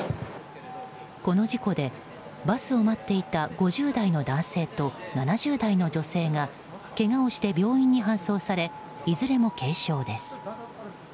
この事故で、バスを待っていた５０代の男性と７０代の女性がけがをして病院に搬送されいずれも軽傷です。